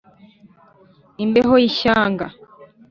imbeho y’ishyanga